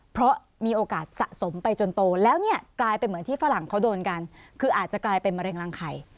เพราะมีโอกาสสะสมไปจนโตแล้วเนี่ยกลายเป็นเหมือนที่ฝรั่งเขาโดนกันคืออาจจะกลายเป็นมะเร็งรังไข่